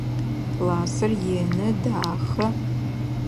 Классыр ины, дахэ.